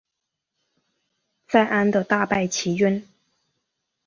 在鞍地大败齐军。